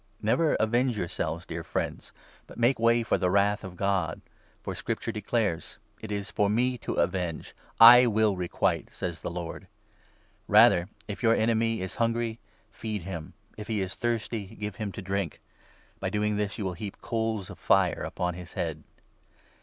Never avenge 19 yourselves, dear friends, but make way for the Wrath of God ; for Scripture declares —'" It is for me to avenge, I will requite," says the Lord.' Rather — 20 ' If your enemy is hungry, feed him ; if he is thirsty, give him to drink. By doing this you will heap coals of fire upon his head.'